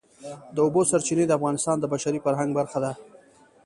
د اوبو سرچینې د افغانستان د بشري فرهنګ برخه ده.